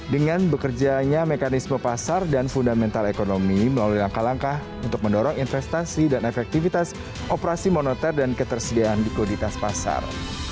dengan bekerjanya mekanisme pasar dan fundamental ekonomi melalui langkah langkah untuk mendorong investasi dan efektivitas operasi moneter dan ketersediaan di koditas pasar